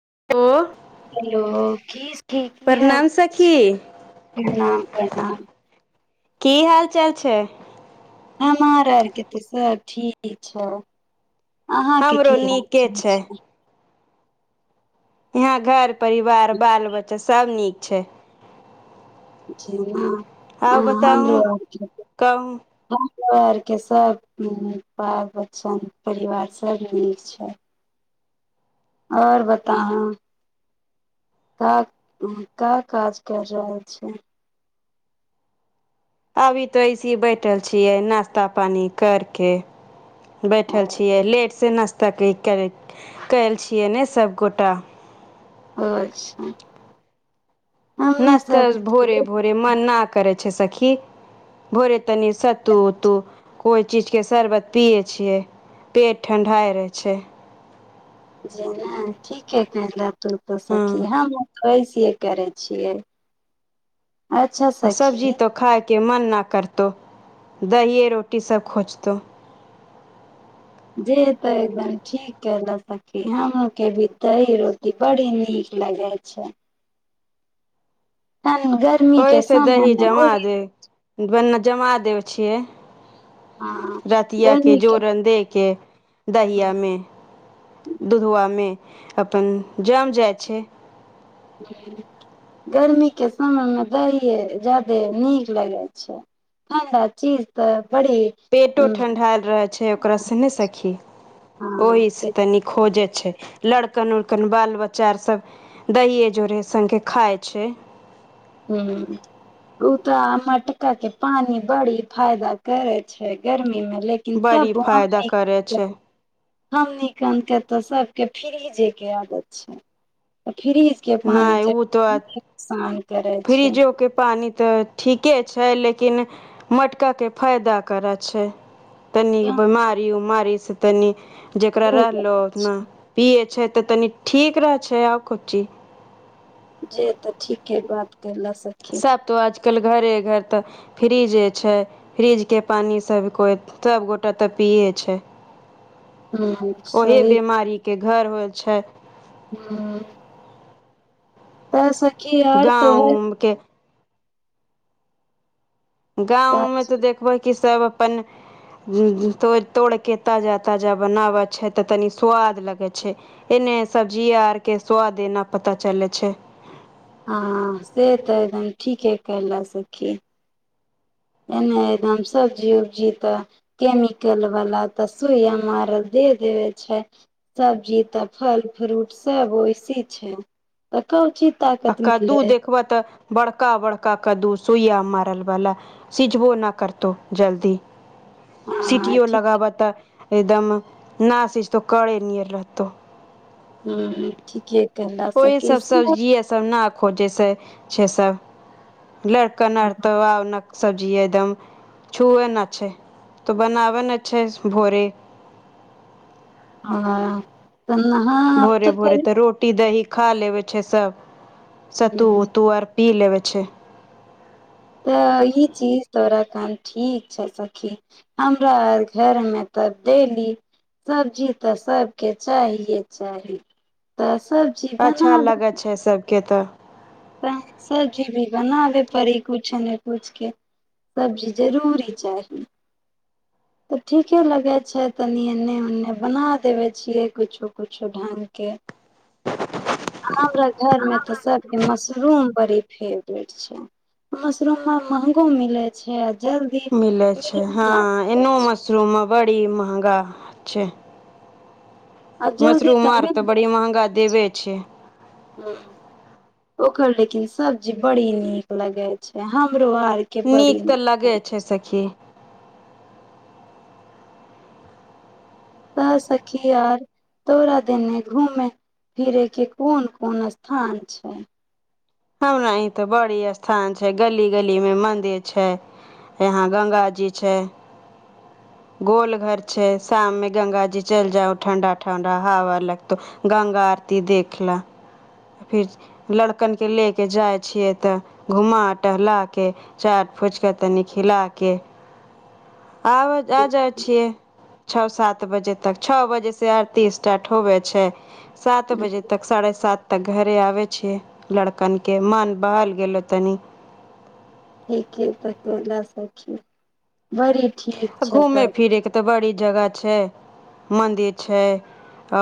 [unintelligible] hello की सखि की हल प्रणाम सखी छै प्रणाम प्रणाम की हाल चाल छै हमार आर के तऽ सब ठीक छौ अहाँके की हमरो हाल नीके चाल छै यहाँ घर परिवार बाल बच्चा सभ नीक छै जेना आउ बताउ कहू घरके सभ बाल बच्चन परिवार सभ नीक छै आओर बता क का काज कर रहल छै अभी तऽ ऐसे ही बैठल छियै नाश्ता पानी करके बैठल छियै लेट से नाश्ता कल छियै ने सभगोटा अच्छा हमे नास्ता सब भोरे भोरे मनाक करै छै सखि भोरे तनी सत्तू उत्तू कोइ चीजके शर्बत पियै छियै पेट ठणढाइ रहै छै जेना की के टेडुप तब त हँ साखी हम कैसे करै छियै अच्छा आ सब्जी सखी तो खाय के मन नहि करतौ दहिए रोटी सब खोजतौ जे तै एकदम ठीक करल सकी हमर के भी दही रोटी बड़ी नीक लगै छै तहन गर्मी के ओहिस समय दही मे जमा ओहि दे बना जमा देय छियै हँ रतिया के गर्मी जोरन दे के दहियामे दुधबामे अपन जम जाइ छै गर्मीके समयमे दहए ज्यादे नीक लगै छै ठण्डा चीज तऽ बड़ी पेटो ठंढायल रह छै ओकररा से नहि सखी हँ ओहिसँ से तनी खोजे छै लड़कन उड़कन बाल बच्चा आर सब दहिए जोड़े सग खाइ छै ह ओ त मटका के पानि बड़ी फायदा करै छै गर्मी एहिमेल कित बड़ी ब फायदा करै छै हमनी क तऽ सभके फ्री जायके आदत छै फ्रीजके पानि नहि ओ तऽ जेसान फ्रिजो के पानी तऽ ठीके छै लेकिन मटकाके फायदा करऽ छै तनी बमारी उमारी पस तनी जेकरा रहलो उतना पियए छै तऽ तनी ठीक रह छै आउ कची जे तऽ ठीक ह बात केेला सखी सब तो आजकल घरे घर तऽ फ्रिजे छै फ्रीजके पानि सब कोइ सबगोटा तऽ पीै छै हूं ओही सही बीमारी के घर हो छै आ तऽ से की यार तोह गाँव के गाँंवमें तऽ देखबै कि सब अपन तोड़ तोड़िके ताजा ताजा बनाबै छै तऽ तनी स्वाद लगै छै एने सब्जी आरके स्वाद एना पता चलै छै हँ से तऽ एकदम ठीके करल सखी एने एकदम सब्जी उब्जी तऽ केमिकल वला तऽ सुया मारल दे देबे छै सब्जी तऽ फल फ्रूट सब वैसी छै तऽ कची आ कद्दू देखबह तऽ बड़का बड़का कद्दू सुइया मार बला सिझबो न करतौ जल्दी हँ सीटियो ठीक लगाबह तऽ एकदम नशीस त के नर रहत ह ठीके कहला को सखी सब हँ सब्जी य सब न खोजैसँ छै सभ लड़कनर तऽ आ न सब्जी एकदम छुए ने अचछ तऽ बनाबै ने अच्छ भोरे हँ भोरे भोरे तऽ रोटी द ही खा लेबै छै सब स तू हम्म, तुअर पी लेव छै तऽ ई चीज तोरा कन ठीक छौ सखी हमरा आर घरमे तब देली सब्जी तऽ सभके चहिे चाही त अच्छा अलग छै सब केतऽ त सब्जी भी बनाबे पड़ी किछु ने किछ के सब्जी जरूरी चाही तऽ ठीके लगै छै तनी एन्ने ओन्ने बना देबे छियै कुछो कुछो ढंगके हमरा घरमे तऽ सभके मशरूम बड़ी फेवरेट छै मशरूममे महगो मिलैत छै जल्दी मिले छै हँ एनो मस्त मशरूम बड़ी महगा छै आ जल्दी मशरूम तऽ हारत बड़ी महगा दे बेच प छ ओकर लेकिन सब्जी बड़ी नीक लगे छै हम नीक तऽ लगे छै सखी स सखी आर तोड़ा देने घूमे फिरे के कोन कोन स्थान छै हमरा ई तऽ बड़ी स्थान छै गली गली मे मंदिर छै यहा गंगााजी छै गोलघर छै शाम में गंगा जी चलि जाहो ठंडा ठंडा हवा लगतौ गंगा आरती देख ल फिर लड़कन के ले के जाइ छियै तऽ घुमा टहला के चाट फुचका के तनि खिला के आ जा जाइ छियै छओ सात बजे तक छओ बजे से आरती स्टार्ट होबे छै सात बजे तक साढ़े सात तऽ घरे आबै छियै लड़कने मन बहल गेलै तनी ठीक ह तत्ासखी बड़ी घूमे फिरेके तऽ बड़ी जगह छै मदिर छै आ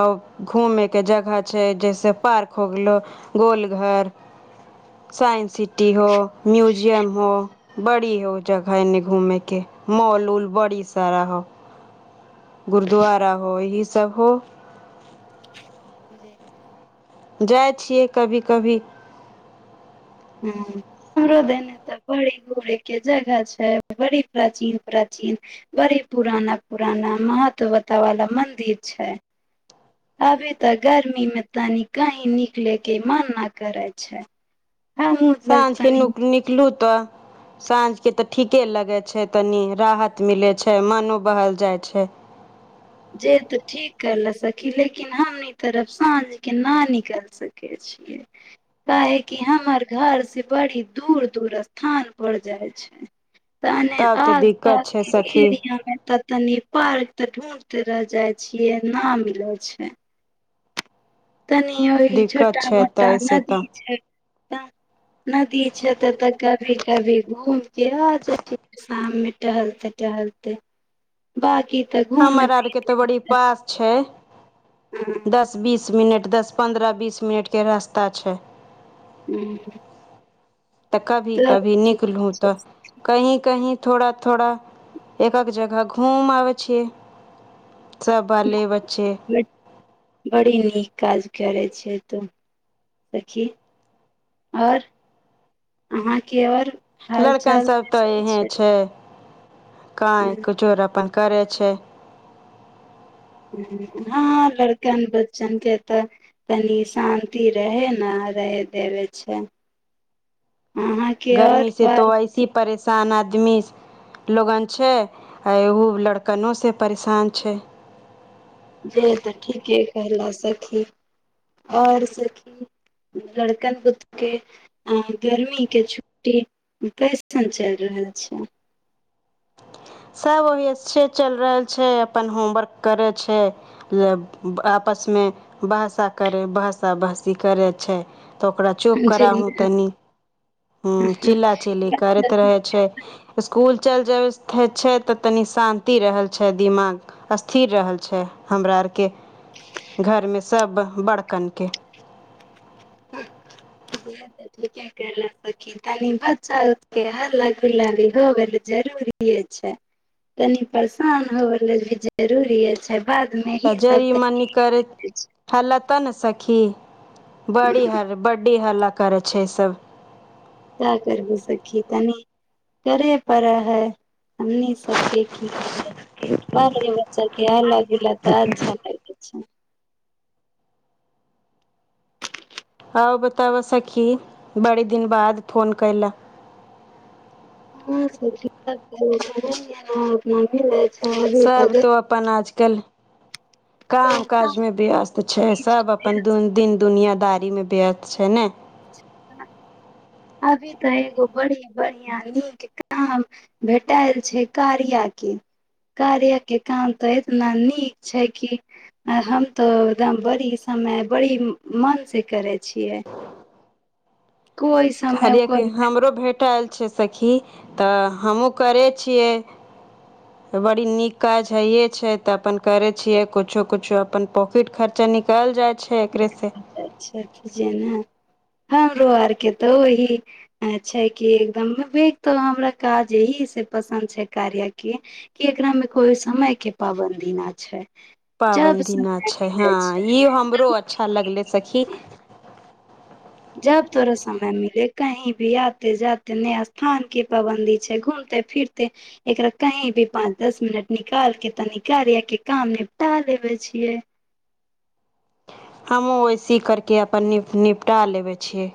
घूमे के जगह छै जैसे पार्क हो गेलो गोलघर साइंस सिटी हो म्यूजियम हो बड़ी हो जगह एने घूमे के मॉल उल बड़ी सारा होऊ गुरुद्वारा हो यहीसभ हो जी जाइ छियै कभी कभी ह हमरो देने तऽ बड़ी घूरयके जगह छै बड़ी प्राचीन प्राचीन बड़ी पुराना पुराना महतवता वाला मन्दिर छै अभी तऽ गर्मीमे तनि कहीँ निकलेके मान नहि करै छै हमहुँ लग साँझ के तनी नुक निकलू तऽ साँझके तऽ ठीके लगै छै तनि राहत मिलै छै मनो बहल जाइ छै जे तऽ ठीक कर ल सकी लेकिन हमनी तरफ साँझ के न निकलि सकै छियै काहेकि हमर घर से बड़ी दूर दूर स्थान पर जाइ छै तने तब तो दिक्कत छै आसपासके सखी एरियामे त तनी पार्क तऽ ढू त रह जाइ छियै न मिलै छै तनी ओहि दिक्कत छोटा छै मोटा तऽ ऐसे नदी तऽ छै नदी छै त कभी कभी घूम के आ जा शाममे टहलते टहलते बाकी तऽ घूमे हमर फिरे आर के तो बड़ी पास छै ह दस बीस मिनट दस पन्द्रह बीस मिनटके रास्ता छै ह [unintelligible] तऽ कभी कभी निकलू तऽ कहीं कहीं थोड़ा थोड़ा एक एक जगह घुम आबै छिये [unintelligible] ब बड़ी नीक काज करै छ तू सखी आओर अहाँके आओर लड़कनसभ तऽ इहे छै कहाँ एक चोर अपन करै छै हँ लड़कन बच्चनके तऽ कनि शान्ति रहै ने रहहि देबै छै अहाँके गर्मी आओर से तो बात ऐसी परेशान आ आदमी लोगन छै आहो लड़कनोसँ परेशान छै जे तऽ ठीके कह ल सखी आओर सखी लड़कन बुतके गर्मीके छुट्टी कैसन चलि रहल छै सभ ओहि छै चलि रहल छै अपन होमवर्क करै छै आपसमे भहसा करै भहसा भहसी करै छै तो ओकरा चुप जे तनि हु चिल्ला चिल्ली करेत रहे छै स्कुल चल जाए स [unintelligible] होइ छै तऽ तनि शान्ति रहल छै दिमाग स्थिर रहल छै हमरा आरके घरमे सब बड़कनके ठेल सखी तनी बच्चा उ के हल्ला गुल्ला भी होवे ल जरूरिे छै तनी परेशान होवे ल भी जरूरिे छै बादमे ही तऽ सब जरी मनी करैत हला त ने सखी बड़ी हर बडी हालत कर छै सब क्य करबे सखी तनी करे परे है हमनी सबके क बे ब्च इएह लै तऽ अच्छा लागए छैं बताउ बताबऽ सखी बड़ी दिन बाद फोन कयल हँ सी [unintelligible] सब तो अपन आजकल काम काज मे व्यस्त छै सब अपन दिन दुनिया बड़ीमे व्यस्त छै ने अभी तऽ एगो बड़ी बढ़िआँ नीक काम भेटायल छै कार्यके कार्यके काम तऽ इतना नीक छै कि हम तऽ एकदम बड़ी समय बड़ी मनसँ करै छियै कोइ समय कहलिय कि कोइ हमरो भेटल सखी हमहु करेय छिये बड़ी निक काज छिहिये छी त अपन पोकिट खर्चा निकल जाए ा ने हँ [inaudible] को आर के तो वह छै कि एकदम तो हमरा काज यही से पसन्द छै कार्य के क एकरा में कोई समय के पाबदी न छै पाबैन जब दिना समय छै हँ मिलै छै ई हम हमरो अच्छा लगलै सखी जब तोरा समय मिले कही भी आते जाते नया स्थान के पाबन्दी छै घूमते फिरते एकरा कही भी पाँच दस मिनट निकाल के तनी कार्यके काम निपटा लेबे छियै हमहु ओय सी करके अपन नि निपटा लेबे छिये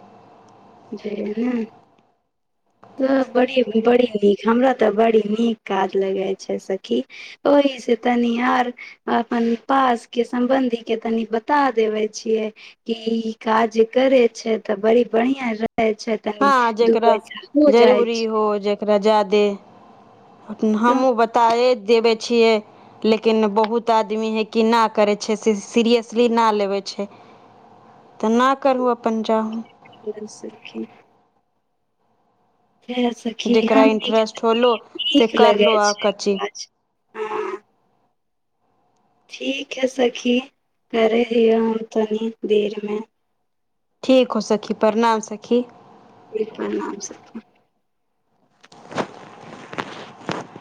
बुझे य ने त बड़ी बड़ी नीक हमरा तऽ बड़ी नीक काज लगैत छै सखी ओहिसँ तनी आर अपन पासके सम्बन्धीे तनि बता देबे छियै कि ई काज करै छै तऽ बड़ी बढ़िआँ अचछा तनी हँ दू पैसा हो जाइ छै रजा दे अपन तऽ हमूँ बताए देबे छियै लेकिन बहुत आदमी है कि नहि करै छै सीरियसली नहि लेबै छै तऽ नहि करहु अपन जाउ सखी इएह सखी जेकरा हमन के त इंटरेस्ट होलो बिरिया से नीक लगै करलो आ छै कची आछ ठीक हइ सखी करै हयो हम तनि देरमे ठीक हो सखी प्रणाम सखी जि परणाम सखि